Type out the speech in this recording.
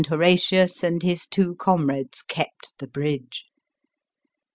299 Horatius and his two comrades kept the bridge.